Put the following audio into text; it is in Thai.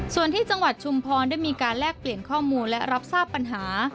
ส่วนที่จังหวัดชุมพรได้มีการแลกเปลี่ยนข้อมูลและรับทราบปัญหา